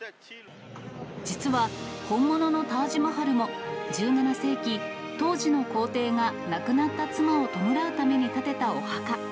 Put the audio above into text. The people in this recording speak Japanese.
実は、本物のタージマハルも１７世紀、当時の皇帝が、亡くなった妻を弔うために建てたお墓。